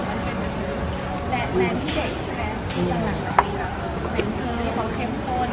เชียร์หมดนะแต่ตอนเด็กของแฟนคลับแฟนจริงที่นุ่มข้าง